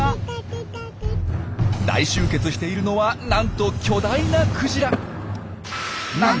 大集結しているのはなんと巨大なクジラ！